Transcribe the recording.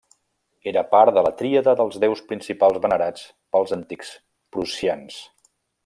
Era part de la tríada dels déus principals venerats pels antics prussians.